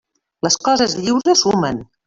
Les coses lliures sumen.